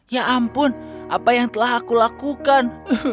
ya ampun apa yang telah aku lakukan